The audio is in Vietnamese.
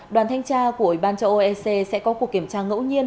đoàn thanh tra của ủy ban châu âu ec sẽ có cuộc kiểm tra ngẫu nhiên